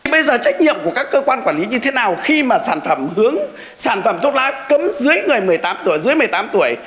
bây giờ trách nhiệm của các cơ quan quản lý như thế nào khi mà sản phẩm hướng sản phẩm thuốc lá cấm dưới người một mươi tám tuổi dưới một mươi tám tuổi